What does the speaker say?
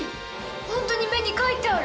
ホントに目に書いてある！